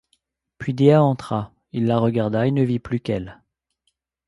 Puis Dea entra ; il la regarda, et ne vit plus qu’elle.